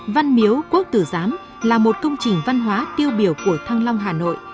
văn miếu quốc tử giám là một công trình văn hóa tiêu biểu của thăng long hà nội